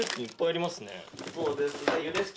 そうですね。